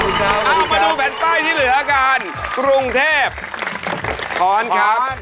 สุโคไทยครับสุโคไทยครับสุโคไทยครับ